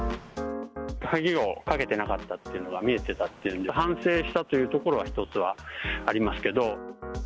鍵をかけてなかったっていうのが見えてたっていうんで、反省したというところは一つはありますけど。